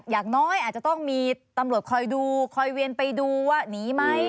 อย่างน้อยอาจจะต้องมีตำรวจคอยดูคอยเวียนไปดูว่าหนีไหม